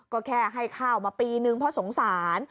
ก็แค่ให้ข้าวมาปีนึงเพราะสงสาร